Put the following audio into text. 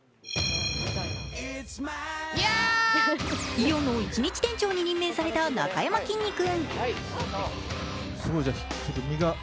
イオンの一日店長に任命されたなかやまきんに君。